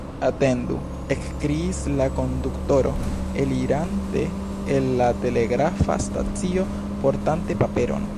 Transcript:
« Atendu! »ekkriis la konduktoro, elirante el la telegrafa stacio, portante paperon.